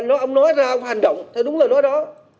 ông nói ra ông phải hành động theo đúng lời nói đó